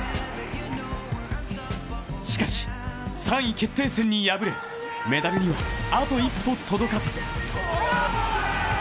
しかし３位決定戦に敗れ、メダルにはあと一歩届かず。